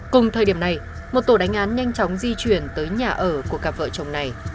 cùng thời điểm này một tổ đánh án nhanh chóng di chuyển tới nhà ở của cặp vợ chồng này